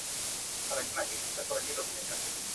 نه یې وېره له انسان وه نه له خدایه.